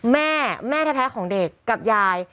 แม่แม่แท้ของเด็กกับยาย